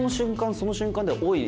その瞬間で「おい！」